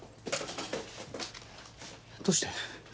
どうして？